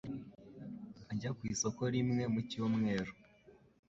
Ajya ku isoko rimwe mu cyumweru.